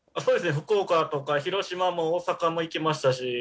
福岡とか広島も大阪も行きましたし。